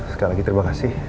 sekali lagi terima kasih